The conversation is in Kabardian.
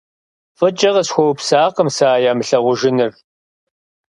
ФӀыкӀэ къысхуэупсакъым сэ а ямылъагъужыныр.